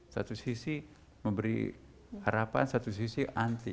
satu sisi memberi harapan satu sisi anti